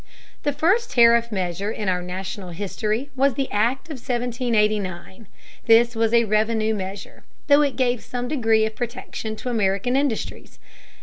The first tariff measure in our national history was the Act of 1789. This was a revenue measure, though it gave some degree of protection to American industries.